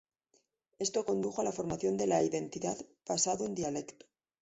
Esto condujo a la formación de la identidad basado en dialecto.